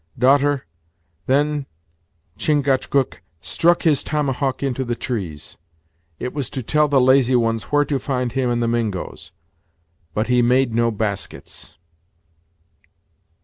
Daughter, then Chingachgook struck his tomahawk into the trees; it was to tell the lazy ones where to find him and the Mingoes but he made no baskets."